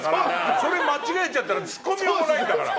それ間違えちゃったらツッコみようがないんだから。